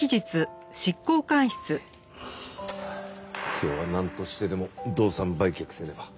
今日はなんとしてでも動産売却せねば。